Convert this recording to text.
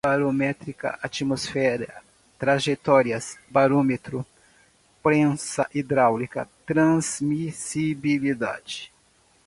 barométrica, atmosfera, trajetórias, barômetro, prensa hidráulica, transmissibilidade